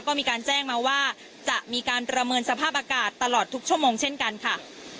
ก็มีการแจ้งมาว่าจะมีการประเมินสภาพอากาศตลอดทุกชั่วโมงเช่นกันค่ะ